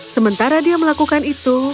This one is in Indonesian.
sementara dia melakukan itu